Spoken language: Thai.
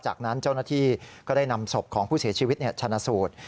จากนั้นเจ้าหน้าที่ก็ได้นำศพของผู้เสียชีวิตชนะสูตร